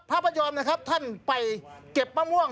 ภาพยอมท่านไปเก็บมะม่วง